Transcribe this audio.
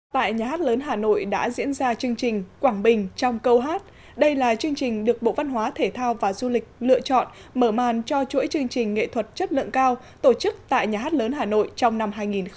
tại nhà hát lớn hà nội đã diễn ra chương trình quảng bình trong câu hát đây là chương trình được bộ văn hóa thể thao và du lịch lựa chọn mở màn cho chuỗi chương trình nghệ thuật chất lượng cao tổ chức tại nhà hát lớn hà nội trong năm hai nghìn một mươi chín